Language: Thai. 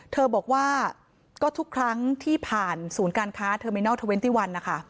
เธอบอกว่าก็ทุกครั้งที่ผ่านศูนย์การค้าเทอร์มินอล๒๑นะคะ